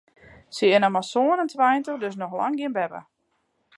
Se is noch mar sân en tweintich, dus noch lang gjin beppe.